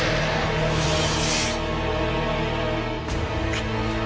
くっ。